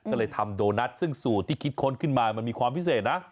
ก็เลยทำโดนัทซึ่งสูตรที่คิดค้นขึ้นมามันมีความพิเศษนะ